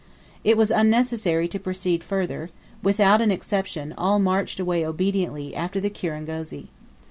It was unnecessary to proceed further; without an exception, all marched away obediently after the kirangozi.